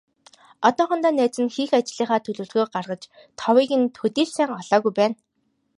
Одоохондоо найз нь хийх ажлынхаа төлөвлөгөөг гаргаж, товыг төдий л сайн олоогүй байна.